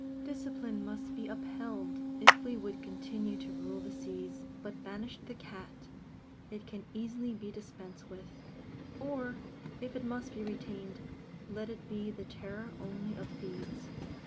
Discipline must be upheld, if we would continue to rule the seas; but banish the cat, it can easily be dispensed with; or, if it must be retained, let it be the terror only of thieves.